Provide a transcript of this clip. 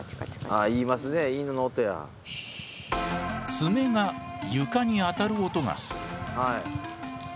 爪が床に当たる音がする。